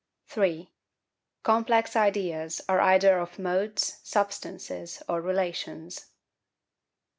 3. Complex ideas are either of Modes, Substances, or Relations.